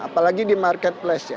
apalagi di marketplace ya